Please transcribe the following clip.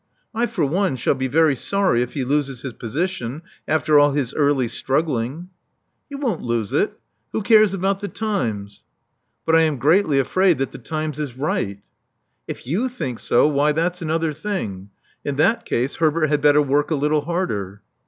I for one, shall be very sorry if he loses his position, after all his early struggling." 379 380 Love Among the Artists ••He won't lose it. Who cares about the Times f •*But I am greatly afraid that the Times is right." •'If you think so, why, that's another thing. In that case, Herbert had better work a little harder."